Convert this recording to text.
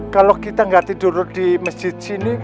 kalau kita nggak tidur di masjid sini